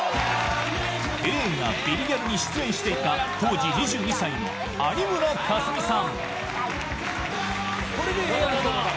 映画「ビリギャル」に出演していた当時２２歳の有村架純さん。